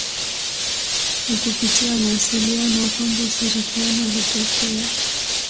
Ni kupitia mawasiliano kwamba ushirikiano hutokea.